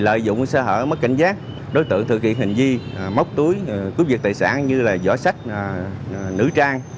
lợi dụng xe hở mất cảnh giác đối tượng thực hiện hình di móc túi cướp giật tài sản như giỏ sách nữ trang